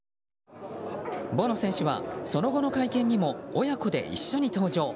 ボノ選手はその後の会見にも親子で一緒に登場。